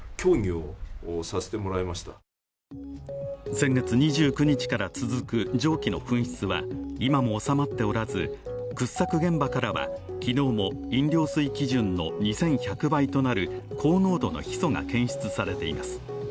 先月２９日から続く蒸気の噴出は今も収まっておらず、掘削現場からは昨日も、飲料水基準の２１００倍となる高濃度のヒ素が検出されています。